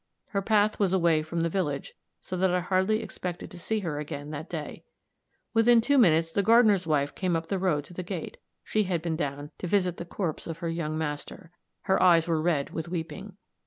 Her path was away from the village, so that I hardly expected to see her again that day. Within two minutes the gardener's wife came up the road to the gate. She had been down to visit the corpse of her young master; her eyes were red with weeping.